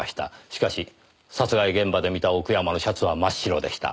しかし殺害現場で見た奥山のシャツは真っ白でした。